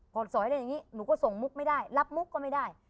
พอดสอยได้อย่างนี้หนูก็ส่งมุกไม่ได้รับมุกก็ไม่ได้